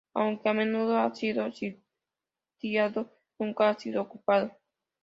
Aunque a menudo ha sido sitiado, nunca ha sido ocupado.